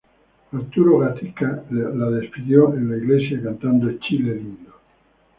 Arturo Gatica la despidió en la iglesia cantando ""Chile Lindo"".